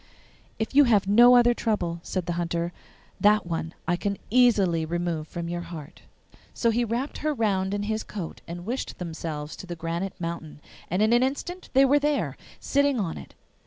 'If you have no other trouble,' said the Hunter, 'that one I can easily remove from your heart.' So he wrapped her round in his cloak and wished themselves to the granite mountain, and in an instant there they were, sitting on it!